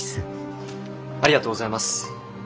ありがとうございます。